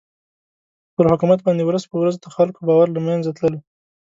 پر حکومت باندې ورځ په ورځ د خلکو باور له مېنځه تللو.